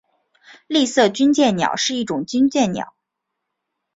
丽色军舰鸟是一种军舰鸟。